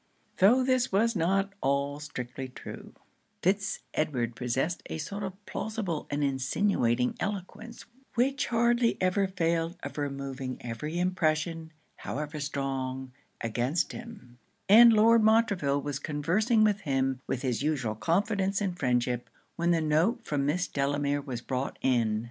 Though this was not all strictly true, Fitz Edward possessed a sort of plausible and insinuating eloquence, which hardly ever failed of removing every impression, however strong, against him; and Lord Montreville was conversing with him with his usual confidence and friendship, when the note from Miss Delamere was brought in.